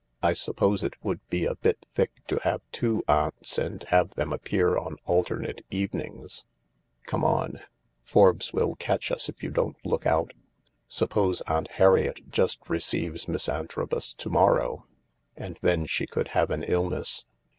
I suppose it would be a bit thick to have two aunts and have them appear on alternate evenings ? Come on ; Forbes will catch us if you don't look out. Suppose Aunt Harriet just receives Miss Antrobus to morrow, and then she could have an illness."